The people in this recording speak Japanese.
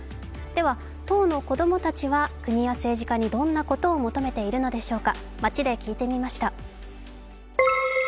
では、当の子供たちは国や政治家にどんなことを求めているのでしょうか、街で聞いてみました。